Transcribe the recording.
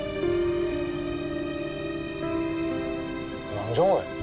何じゃおい。